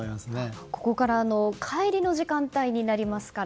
ここから帰りの時間帯になりますから